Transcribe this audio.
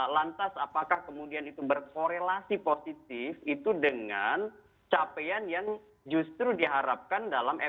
lantas apakah kemudian itu berkorelasi positif itu dengan capaian yang justru diharapkan dalam ekonomi